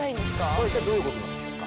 それは一体どういうことなんでしょうか？